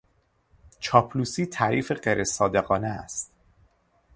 چاپلوسی تعریف غیرصادقانه است.